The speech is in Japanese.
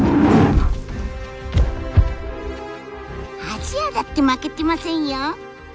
アジアだって負けてませんよ。